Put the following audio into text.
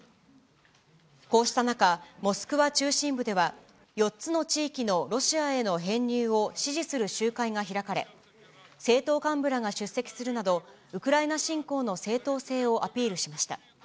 こうした中、モスクワ中心部では、４つの地域のロシアへの編入を支持する集会が開かれ、政党幹部らが出席するなど、ウクライナ侵攻の正当性をアピールしました。